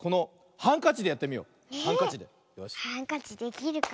ハンカチできるかなあ。